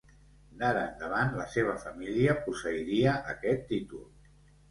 D'ara endavant, la seva família posseiria aquest títol.